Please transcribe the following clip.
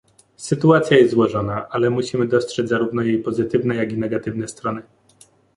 Sytuacja jest złożona, ale musimy dostrzec zarówno jej pozytywne, jak i negatywne strony